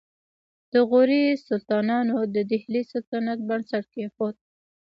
د غوري سلطانانو د دهلي سلطنت بنسټ کېښود